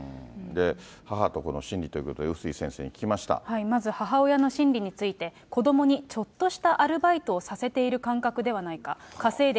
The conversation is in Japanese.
母と子の心理ということで、まず母親の心理について、子どもにちょっとしたアルバイトをさせている感覚ではないか。